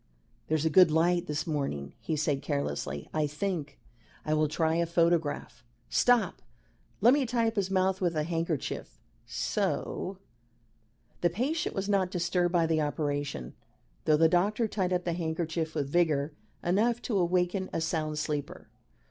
"There's a good light this morning," he said carelessly. "I think I will try a photograph. Stop! Let me tie up his mouth with a handkerchief so." The patient was not disturbed by the operation, though the doctor tied up the handkerchief with vigour enough to awaken a sound sleeper.